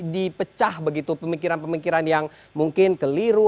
di pecah begitu pemikiran pemikiran yang mungkin keliru